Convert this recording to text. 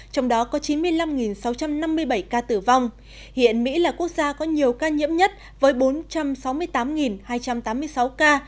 trong đó có chín mươi năm sáu trăm năm mươi bảy ca tử vong hiện mỹ là quốc gia có nhiều ca nhiễm nhất với bốn trăm sáu mươi tám hai trăm tám mươi sáu ca